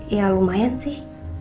ya lumayan sih